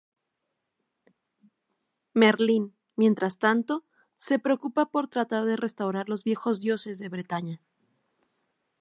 Merlín, mientras tanto, se preocupa por tratar de restaurar los viejos dioses de Bretaña.